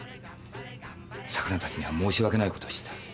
魚たちには申し訳ないことをした。